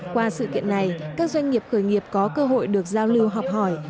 qua sự kiện này các doanh nghiệp khởi nghiệp có cơ hội được giao lưu học hỏi